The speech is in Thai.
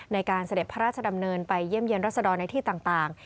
เสด็จพระราชดำเนินไปเยี่ยมเยี่ยรัศดรในที่ต่าง